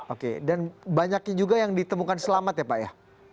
oke dan banyaknya juga yang ditemukan selamat ya pak ya